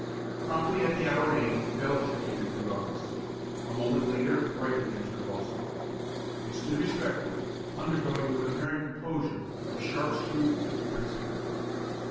Promptly at the hour named Belcher came into the office. A moment later Brightly entered also. They stood respectfully, undergoing with apparent composure the sharp scrutiny of the principal.